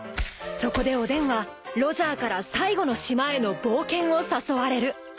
［そこでおでんはロジャーから最後の島への冒険を誘われる］